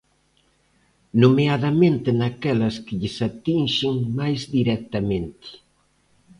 Nomeadamente naquelas que lles atinxen máis directamente.